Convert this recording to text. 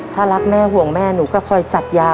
ถ้ารักแม่ห่วงแม่หนูก็คอยจัดยา